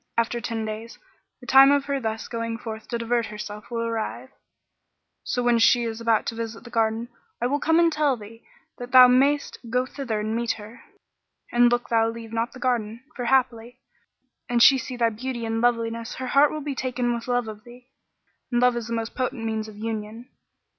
After ten days, the time of her thus going forth to divert herself will arrive; so when she is about to visit the garden, I will come and tell thee, that thou mayst go thither and meet her. And look thou leave not the garden, for haply, an she see thy beauty and Loveliness, her heart will be taken with love of thee, and love is the most potent means of union."